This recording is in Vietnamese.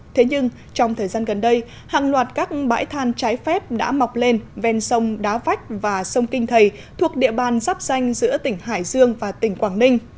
thế nhưng trong thời gian gần đây hàng loạt các bãi than trái phép đã mọc lên ven sông đá vách và sông kinh thầy thuộc địa bàn giáp danh giữa tỉnh hải dương và tỉnh quảng ninh